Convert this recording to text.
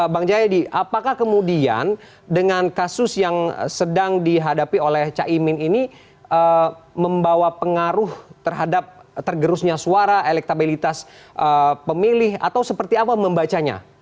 bang jayadi apakah kemudian dengan kasus yang sedang dihadapi oleh caimin ini membawa pengaruh terhadap tergerusnya suara elektabilitas pemilih atau seperti apa membacanya